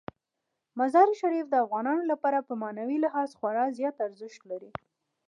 مزارشریف د افغانانو لپاره په معنوي لحاظ خورا زیات ارزښت لري.